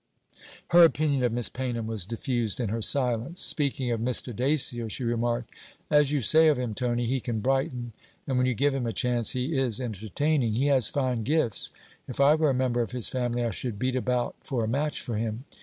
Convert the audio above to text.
Her opinion of Miss Paynham was diffused in her silence. Speaking of Mr. Dacier, she remarked, 'As you say of him, Tony, he can brighten, and when you give him a chance he is entertaining. He has fine gifts. If I were a member of his family I should beat about for a match for him.